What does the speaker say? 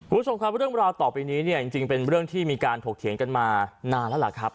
คุณผู้ชมครับเรื่องราวต่อไปนี้เนี่ยจริงเป็นเรื่องที่มีการถกเถียงกันมานานแล้วล่ะครับ